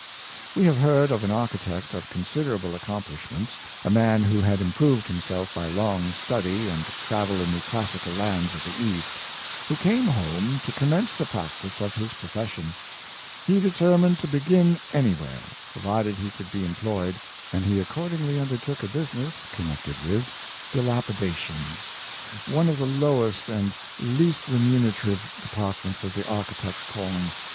We have heard of an architect of considerable ac complishments— a man who had improved himself by long study, and travel in the classical lands of the East — who came home to commence the practice of his profession. He determined to begin anywhere, pro vided he could be employed; and he accordingly under took a business connected with dilapidations — one of the lowest and least remunerative departments of the architect's calling.